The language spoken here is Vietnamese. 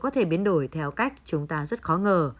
có thể biến đổi theo cách chúng ta rất khó ngờ